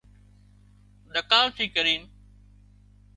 ۮڪاۯ ٿي ڪرينَ